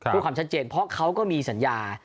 เพื่อความชัดเจนเพราะเขาก็มีสัญญา